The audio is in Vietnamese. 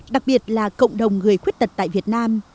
đặc biệt là cộng đồng người khuyết tật tại việt nam